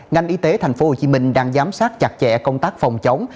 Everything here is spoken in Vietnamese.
ngành y tế tp hcm đang giám sát chặt chẽ công tác phòng chống